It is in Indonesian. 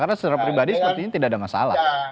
karena secara pribadi sepertinya tidak ada masalah